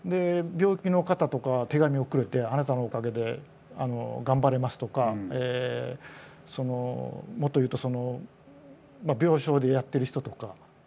病気の方とか手紙をくれて「あなたのおかげで頑張れます」とかもっと言うと病床でやってる人とか。